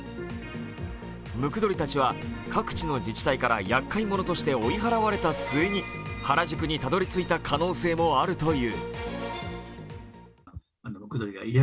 ムクドリたちは各地の自治体からやっかい者として追い払われた末に、原宿にたどりついた可能性もあるという。